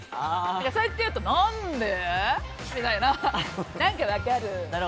そうやって言うと何で？